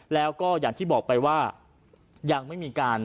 แล้วก็อย่างที่บอกไปว่ายังไม่มีการ